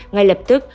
ngay lập tức